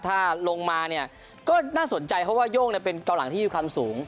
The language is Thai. ถ้าลงมาเนี่ยก็น่าสนใจเพราะว่าโย่งเป็นเกาหลังที่มีความสูง